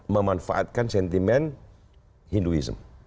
memanfaatkan sentimen hinduism